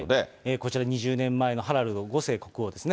こちら、２０年前のハラルド５世国王ですね。